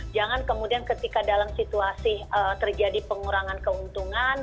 jangan kemudian ketika dalam situasi terjadi pengurangan keuntungan